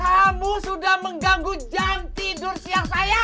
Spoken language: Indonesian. kamu sudah mengganggu jam tidur siang saya